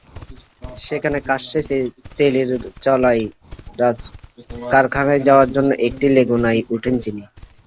সেখানে কাজ শেষে তেলিরচালায় কারখানায় যাওয়ার জন্য একটি লেগুনায় ওঠেন তিনি।